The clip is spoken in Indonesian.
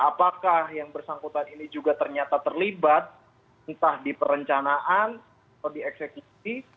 apakah yang bersangkutan ini juga ternyata terlibat entah di perencanaan atau di eksekusi